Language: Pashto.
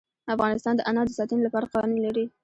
افغانستان د انار د ساتنې لپاره قوانین لري.